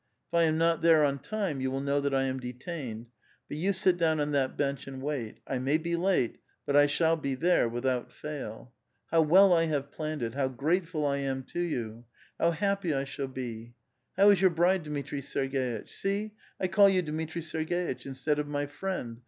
If I am not there on time vou will know that I am detained. But you sit down on that bench and wait. I may be late, but I shall be there without fail. How well I have planned it ! How grateful I am to you ! How happy I shall be ! How is your bride, Dmitri Serg^itch? See, I call you Dmitri vSergeitch instead of my friend!